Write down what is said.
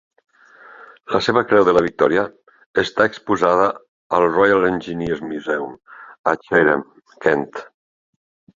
La seva Creu de la Victòria està exposada al Royal Engineers Museum, a Chatham, Kent.